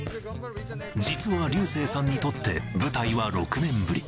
実は流星さんにとって、舞台は６年ぶり。